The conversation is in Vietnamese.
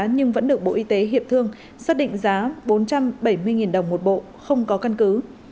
nhưng vẫn được bộ y tế hiệp thương xác định giá bốn trăm bảy mươi đồng một bộ không có căn cứ